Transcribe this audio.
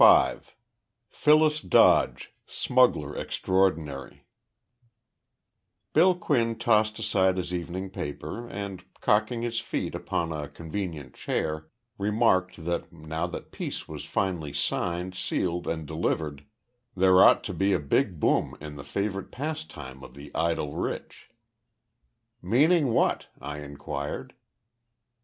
V PHYLLIS DODGE, SMUGGLER EXTRAORDINARY Bill Quinn tossed aside his evening paper and, cocking his feet upon a convenient chair, remarked that, now that peace was finally signed, sealed, and delivered, there ought to be a big boom in the favorite pastime of the idle rich. "Meaning what?" I inquired.